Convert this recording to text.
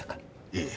ええ。